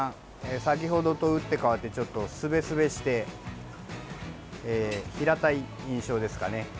先ほどと打って変わってちょっとすべすべして平たい印象ですかね。